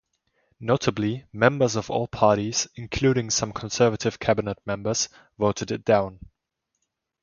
Notably, members of all parties, including some Conservative cabinet members, voted it down.